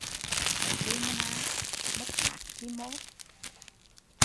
Có chi mô nà, mất mát chi mô